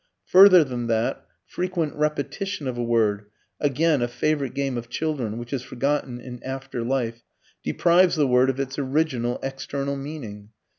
Further than that, frequent repetition of a word (again a favourite game of children, which is forgotten in after life) deprives the word of its original external meaning.